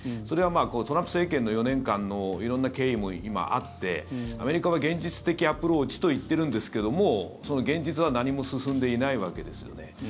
それは、トランプ政権の４年間の色んな経緯も、今あってアメリカは現実的アプローチと言っているんですけどもその現実は何も進んでいないわけですよね。